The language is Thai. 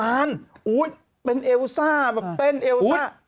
นานอุ๊ยเป็นเอลซ่าแบบเต้นเอลซ่า